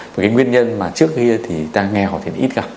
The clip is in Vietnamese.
cái nguyên nhân mà trước kia thì ta nghe có thể ít gặp